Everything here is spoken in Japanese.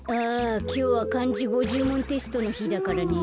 きょうはかんじ５０もんテストのひだからね